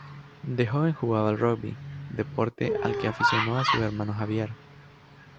De joven jugaba al rugby, deporte al que aficionó a su hermano Javier.